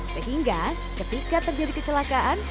sehingga ketika terjadi kecelakaan